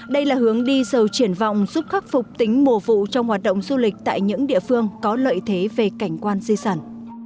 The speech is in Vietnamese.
đây là hướng đi giàu triển vọng giúp khắc phục tính mùa vụ trong hoạt động du lịch tại những địa phương có lợi thế về cảnh quan di sản